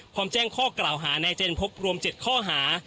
แจ้งข้อกล่าวหานายเจนพบรวม๗ข้อหา